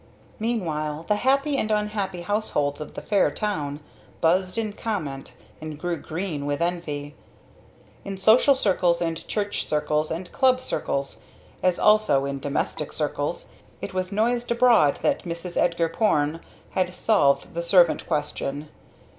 Meanwhile the happy and unhappy households of the fair town buzzed in comment and grew green with envy. In social circles and church circles and club circles, as also in domestic circles, it was noised abroad that Mrs. Edgar Porne had "solved the servant question."